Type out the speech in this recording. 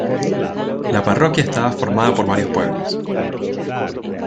La parroquia estaba formada por varios pueblos.